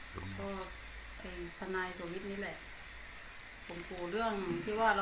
ก็พนัยสวิทย์นี้แหละ